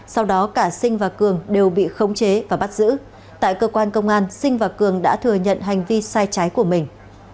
sau đó cả sinh và cường đều bị khống chế và bắt giữ tại cơ quan công an sinh và cường đã thừa nhận hành vi sai trái của mình